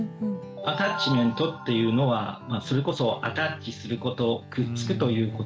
アタッチメントっていうのはそれこそアタッチすることくっつくということです。